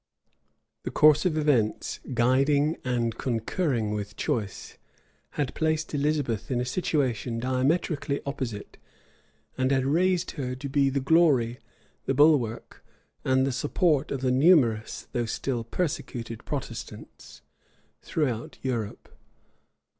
The course of events, guiding and concurring with choice, had placed Elizabeth in a situation diametrically opposite; and had raised her to be the glory, the bulwark, and the support of the numerous, though still persecuted Protestants, throughout Europe.